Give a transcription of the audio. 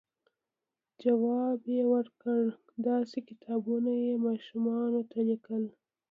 ځواب یې ورکړ، داسې کتابونه یې ماشومانو ته لیکل،